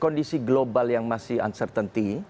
kondisi global yang masih uncertainty